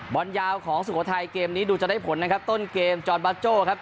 บอลยาวของสุโขทัยเกมนี้ดูจะได้ผลนะครับต้นเกมจอร์นบาโจ้ครับ